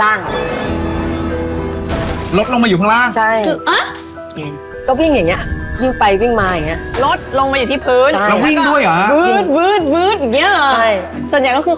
แล้วรถที่ซื้อคือ